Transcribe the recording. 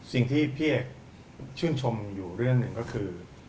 สิ่งที่พี่เอกชื่นชมอยู่เรื่องหนึ่งก็คือ